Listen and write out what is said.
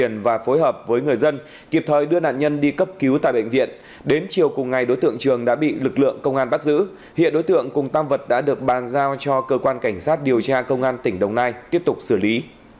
công an xã hồ nai ba đã truyền và phối hợp với người dân kịp thời đưa nạn nhân đi cấp cứu tại bệnh viện đến chiều cùng ngày đối tượng trường đã bị lực lượng công an bắt giữ hiện đối tượng cùng tam vật đã được bàn giao cho cơ quan cảnh sát điều tra công an tỉnh đồng nai tiếp tục xử lý